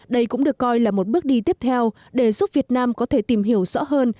đây cũng được coi là một bước đi tiếp theo để giúp việt nam có thể tìm hiểu rõ hơn